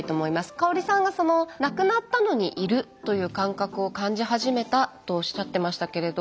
香さんが亡くなったのにいるという感覚を感じ始めたとおっしゃってましたけれど。